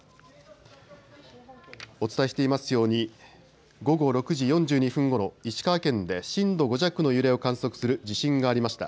お伝えしていますように、午後６時４２分ごろ、石川県で震度５弱の揺れを観測する地震がありました。